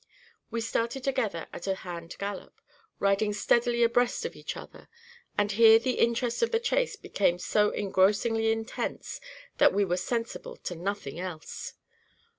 We started together at a hand gallop, riding steadily abreast of each other, and here the interest of the chase became so engrossingly intense, that we were sensible to nothing else.